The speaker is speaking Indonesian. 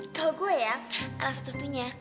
oh kalau gua ya anak satu satunya